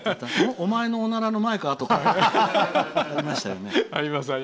お前のおならの前か？とかありましたよね。